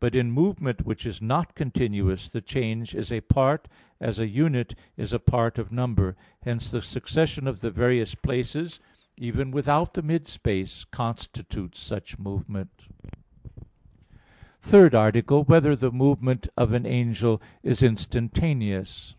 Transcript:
But in movement which is not continuous, the change is a part, as a unit is a part of number: hence the succession of the various places, even without the mid space, constitutes such movement. _______________________ THIRD ARTICLE [I, Q. 53, Art. 3] Whether the Movement of an Angel Is Instantaneous?